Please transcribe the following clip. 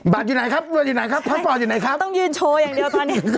อยู่ไหนครับรวยอยู่ไหนครับพระปอร์ตอยู่ไหนครับต้องยืนโชว์อย่างเดียวตอนนี้